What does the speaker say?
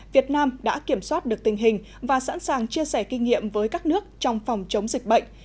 việt nam đã kiểm soát được tình hình và sẵn sàng chia sẻ kinh nghiệm với các nước trong phòng chống dịch bệnh